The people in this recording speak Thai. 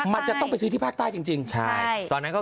มันจะต้องซื้อที่พาท่าจริงตอนนั้นก็